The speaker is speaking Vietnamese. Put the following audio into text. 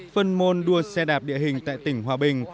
phân môn đua xe đạp địa hình tại tỉnh hòa bình